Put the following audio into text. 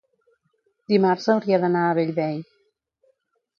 dimarts hauria d'anar a Bellvei.